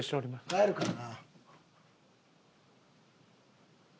帰るからな。